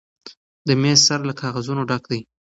د میز سر له کاغذونو ډک دی.